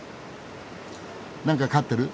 何か飼ってる？